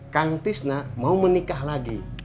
kang tisna mau menikah lagi